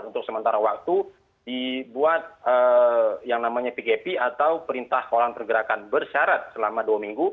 untuk sementara waktu dibuat yang namanya pgp atau perintah kolam pergerakan bersyarat selama dua minggu